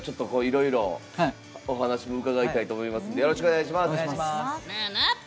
いろいろお話も伺いたいと思いますんでぬぬっ！